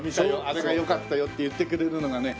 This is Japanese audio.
「あれがよかったよ」って言ってくれるのがね